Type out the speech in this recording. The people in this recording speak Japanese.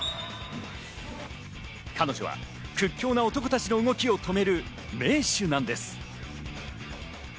彼女は屈強な男たちの動きを止める名手なんです。